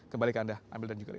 kembali ke anda amel dan juga